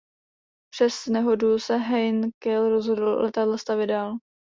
Přes nehodu se Heinkel rozhodl letadla stavět dál.